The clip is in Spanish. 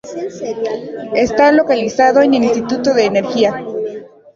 Está localizado en el Instituto de Energía.